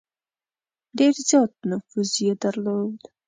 ډېر زیات نفوذ یې درلود.